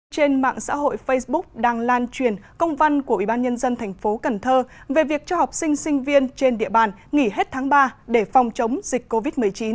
trên mạng xã hội facebook đang lan truyền công văn của ubnd tp cần thơ về việc cho học sinh sinh viên trên địa bàn nghỉ hết tháng ba để phòng chống dịch covid một mươi chín